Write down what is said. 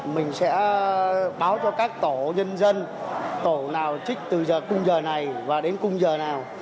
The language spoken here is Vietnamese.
mình sẽ báo cho các tổ nhân dân tổ nào trích từ giờ khung giờ này và đến khung giờ nào